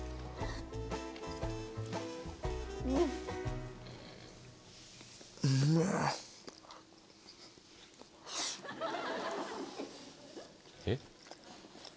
うん。えっ？